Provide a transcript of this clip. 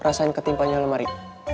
rasain ketimpanya lemari